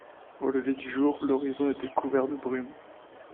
Au lever du jour, l’horizon était couvert de brumes.